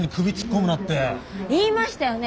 言いましたよね